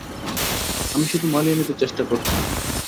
আমি শুধু মানিয়ে নিতে চেষ্টা করছিলাম।